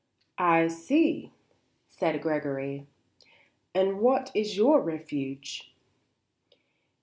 "I see," said Gregory. "And what is your refuge?"